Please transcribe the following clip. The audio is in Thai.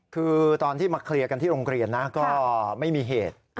คือตอนที่มาเคลียร์กันที่โรงเรียนนะก็ไม่มีเหตุ